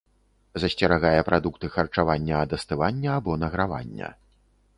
Засцерагае прадукты харчавання ад астывання або награвання.